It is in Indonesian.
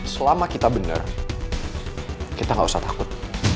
selama kita benar kita gak usah takut